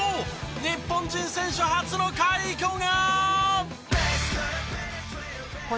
日本人選手初の快挙が！